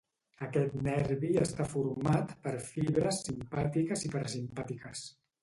Aquest nervi està format per fibres simpàtiques i parasimpàtiques.